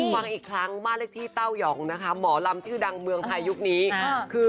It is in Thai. ฟังอีกครั้งบ้านเลขที่เต้ายองนะคะหมอลำชื่อดังเมืองไทยยุคนี้คือ